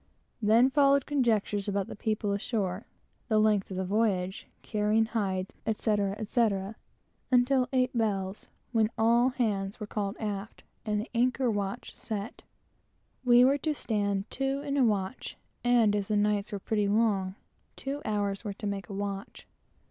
Then followed conjectures about the people ashore, the length of the voyage, carrying hides, etc., until eight bells, when all hands were called aft, and the "anchor watch" set. We were to stand two in a watch, and as the nights were pretty long, two hours were to make a watch.